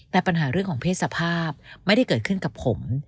แต่ปัญหาเรื่องของเพศสภาพไม่ได้เกิดขึ้นกับผม